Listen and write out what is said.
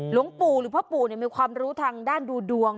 หลวงปู่หรือพ่อปู่มีความรู้ทางด้านดูดวง